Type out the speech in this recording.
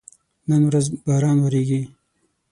نن ورځ باران وریږي